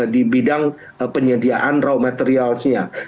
di bidang penyediaan raw materialsnya